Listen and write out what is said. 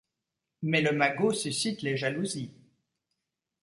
Mais le magot suscite les jalousies.